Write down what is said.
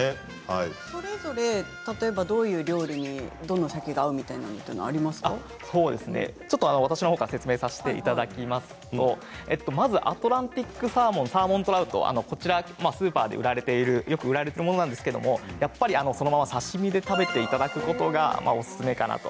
それぞれどういう料理にどのサケが合うというのは私のほうから説明させていただきますとまずアトランティックサーモンサーモントラウトスーパーでよく売られているものなんですけどやっぱり、そのまま刺身で食べていただくことがおすすめかなと。